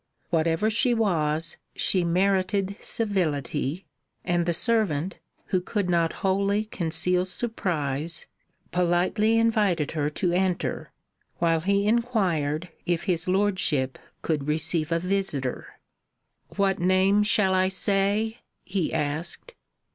Whatever she was, she merited civility, and the servant, who could not wholly conceal surprise, politely invited her to enter, while he inquired if his Lordship could receive a visitor. "What name shall I say?" he asked.